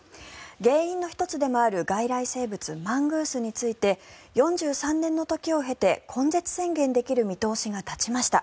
原因の１つでもある外来生物、マングースについて４３年の時を経て根絶宣言できる見通しが立ちました。